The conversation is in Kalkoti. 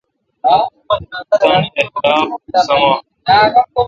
تان اخلاق سامہ۔